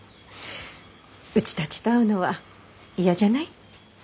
うちたちと会うのは嫌じゃない？